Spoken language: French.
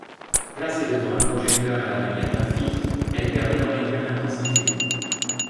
Placée devant un projecteur à la manière d'un filtre, elle permet d'en réduire l'intensité.